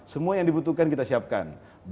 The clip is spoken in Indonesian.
semua yang dibutuhkan kita siapkan